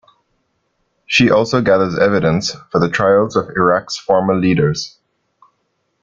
She also gathers evidence for the trials of Iraq's former leaders.